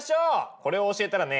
これを教えたらね